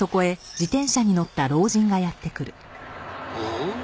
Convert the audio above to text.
ん？